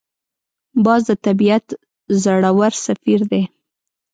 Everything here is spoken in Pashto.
باز د طبیعت زړور سفیر دی